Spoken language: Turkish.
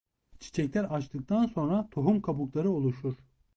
Çiçekler açtıktan sonra tohum kabukları oluşur.